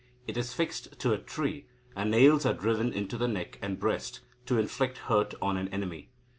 It is fixed to a tree, and nails are driven into the neck and breast, to inflict hurt on an enemy.